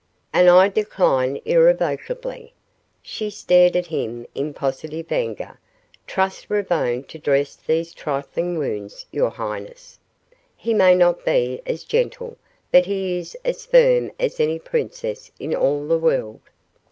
"And I decline irrevocably." She stared at him in positive anger. "Trust Ravone to dress these trifling wounds, your highness. He may not be as gentle, but he is as firm as any princess in all the world."